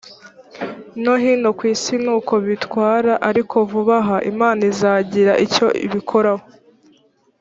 no hino ku isi ni uko bitwara ariko vuba aha imana izagira icyo ibikoraho